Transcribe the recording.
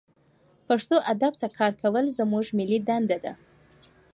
پښتو ادب ته کار کول زمونږ ملي دنده ده